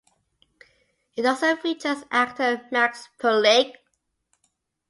It also features actor Max Perlich.